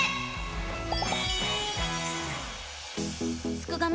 すくがミ！